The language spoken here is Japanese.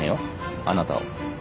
あなたを。